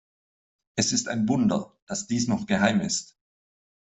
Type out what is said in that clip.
Es ist ein Wunder, dass dies noch geheim ist.